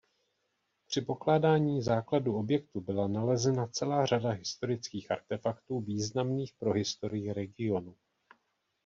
Při pokládání základů objektu byla nalezena celá řada historických artefaktů významných pro historii regionu.